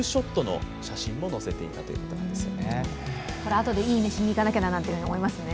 あとでいいねしなきゃなんて思いますね。